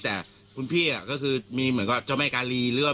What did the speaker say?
แต่คุณพี่ก็คือมีเหมือนกับเจ้าแม่กาลีเลือด